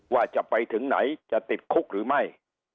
ว่าจะไปถึงไหนจะติดคุกหรือไม่